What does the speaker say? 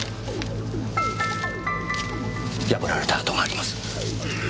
破られた跡があります。